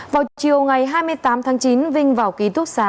vào chiều ngày hai mươi tám tháng chín vinh vào ký túc xá